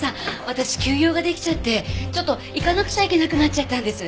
私急用ができちゃってちょっと行かなくちゃいけなくなっちゃったんです。